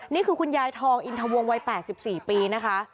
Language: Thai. นี่คือคุณยายทองอินทวงวัย๘๔ปีนะคะ